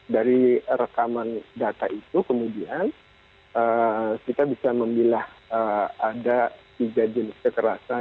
dari rekaman data itu kemudian kita bisa memilah ada tiga jenis kekerasan